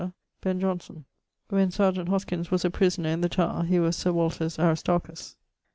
Ben: Johnson. When Serjeant Hoskyns was a prisoner in the Tower, he was Sir Walter's Aristarchus.